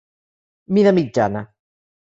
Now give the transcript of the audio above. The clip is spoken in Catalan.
Mida mitjana.